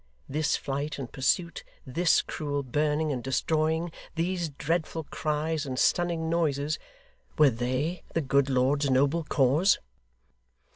This flight and pursuit, this cruel burning and destroying, these dreadful cries and stunning noises, were THEY the good lord's noble cause!